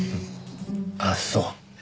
あっそう。